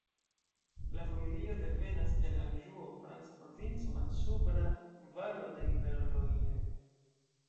La familio devenas el Anĵuo, franca provinco, malsupra valo de rivero Loire.